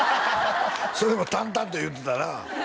それも淡々と言ってたな